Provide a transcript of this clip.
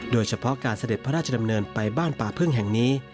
โดยเฉพาะการเสด็จพระราชดำเนินไปบ้านป่าพึ่งแห่งนี้